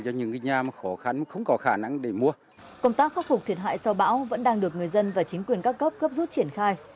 công tác khắc phục thiệt hại sau bão vẫn đang được người dân và chính quyền các cấp rút triển khai